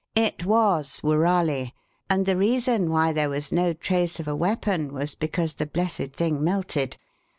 It was woorali, and the reason why there was no trace of a weapon was because the blessed thing melted.